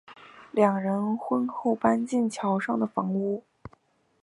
两人婚后搬进桥上的房屋。